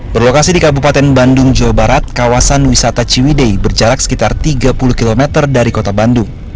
berlokasi di kabupaten bandung jawa barat kawasan wisata ciwidei berjarak sekitar tiga puluh km dari kota bandung